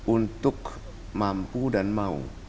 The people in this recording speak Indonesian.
untuk mampu dan mau